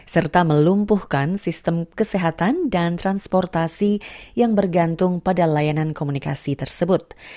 serta melumpuhkan sistem kesehatan dan transportasi yang bergantung pada layanan komunikasi tersebut